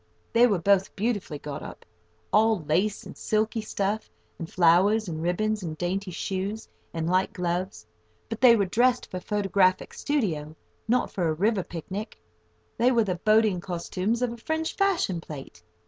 They were both beautifully got up—all lace and silky stuff, and flowers, and ribbons, and dainty shoes, and light gloves. But they were dressed for a photographic studio, not for a river picnic. They were the "boating costumes" of a French fashion plate.